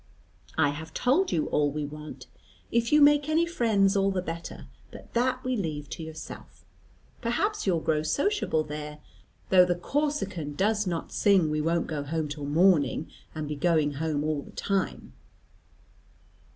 "I have told you all we want. If you make any friends all the better; but that we leave to yourself. Perhaps you'll grow sociable there. Though the Corsican does not sing, 'We won't go home till morning,' and be going home all the time."